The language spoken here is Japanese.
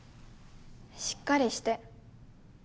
しっかりして。